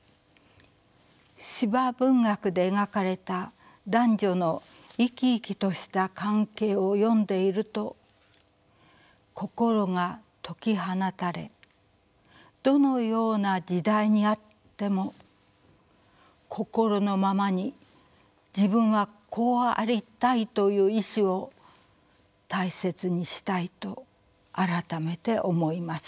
司馬文学で描かれた男女の生き生きとした関係を読んでいると心が解き放たれどのような時代にあっても心のままに自分はこうありたいという意志を大切にしたいと改めて思います。